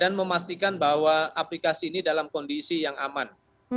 dan memastikan bahwa aplikasi ini dalam kondisi yang aman